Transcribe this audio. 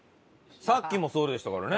さっきもそうでしたからね